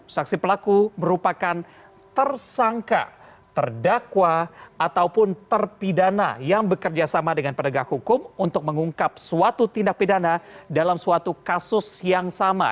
saksi pelaku merupakan tersangka terdakwa ataupun terpidana yang bekerja sama dengan penegak hukum untuk mengungkap suatu tindak pidana dalam suatu kasus yang sama